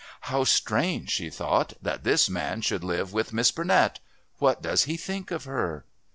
"How strange," she thought, "that this man should live with Miss Burnett! What does he think of her?"